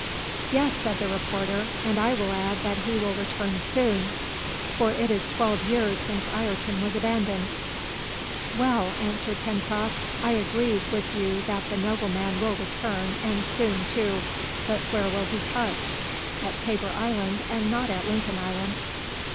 "Yes," said the reporter, "and I will add that he will return soon, for it is twelve years since Ayrton was abandoned!" "Well!" answered Pencroft, "I agree with you that the nobleman will return, and soon too. But where will he touch? At Tabor Island, and not at Lincoln Island."